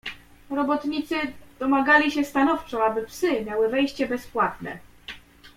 "Robotnicy domagali się stanowczo, aby psy miały wejście bezpłatne."